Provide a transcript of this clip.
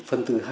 phần thứ hai